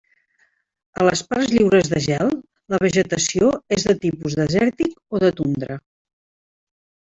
A les parts lliures de gel, la vegetació és de tipus desèrtic o de tundra.